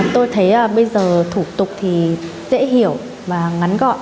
tôi thấy bây giờ thủ tục thì dễ hiểu và ngắn gọn